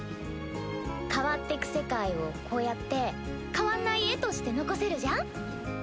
変わってく世界をこうやって変わんない絵として残せるじゃん。